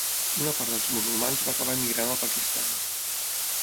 Una part dels musulmans va acabar emigrant al Pakistan.